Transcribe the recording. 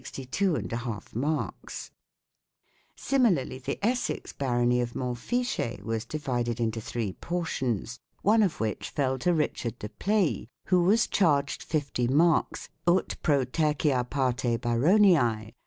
2 Similarly, the Essex bar ony of Montfichet was divided into three portions, one of which fell to Richard de Playz, who was charged 50 marcs " ut pro tercia parte Baroniae.